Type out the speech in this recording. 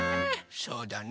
そうだね。